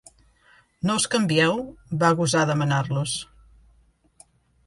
No us canvieu? —va gosar demanar-los.